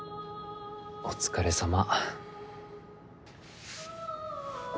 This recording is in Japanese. お疲れさま。